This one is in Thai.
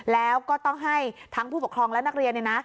แล้วก็ต้องให้ทั้งผู้ปกครองและนักเรียนเนี่ยนะ